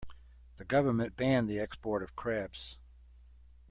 The government banned the export of crabs.